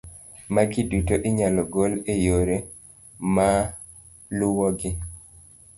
Magi duto inyalo gol e yore maluwogi: